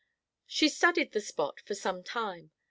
She studied the spot for some time.